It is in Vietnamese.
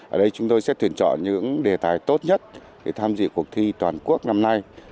ở đây chúng tôi sẽ tuyển chọn những đề tài tốt nhất để tham dự cuộc thi toàn quốc năm nay